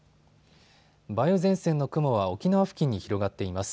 梅雨前線の雲は沖縄付近に広がっています。